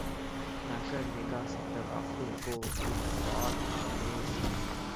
نہ کر نگہ سے تغافل کو التفات آمیز